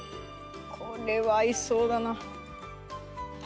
これは合いそうだな。